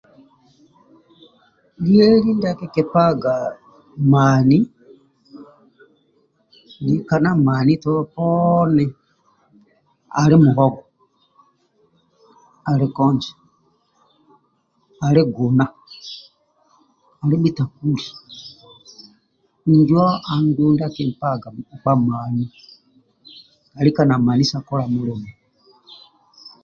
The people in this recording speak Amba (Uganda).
Lyeli ndia kiki paga mani tolo poni andi mohogo ali konje ali guna andi bitakuli injo andulu ndia akimpaga mkpa mani alika na mani sa kola mulimo